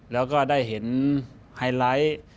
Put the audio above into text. แล้วก็ได้เห็นไฮไลท์